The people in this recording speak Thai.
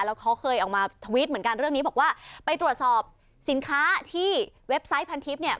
แล้วเขาเคยออกมาทวิตเหมือนกันเรื่องนี้บอกว่าไปตรวจสอบสินค้าที่เว็บไซต์พันทิพย์เนี่ย